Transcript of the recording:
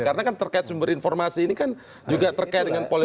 karena kan terkait sumber informasi ini kan juga terkait dengan politik